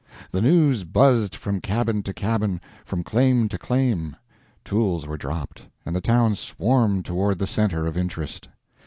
The news buzzed from cabin to cabin, from claim to claim; tools were dropped, and the town swarmed toward the center of interest.